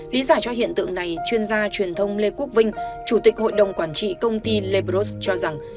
lý giải cho hiện tượng này chuyên gia truyền thông lê quốc vinh chủ tịch hội đồng quản trị công ty lebros cho rằng